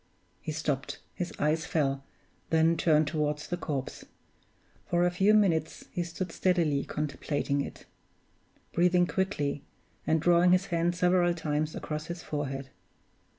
He stopped, his eyes fell, then turned toward the corpse. For a few minutes he stood steadily contemplating it; breathing quickly, and drawing his hand several times across his forehead.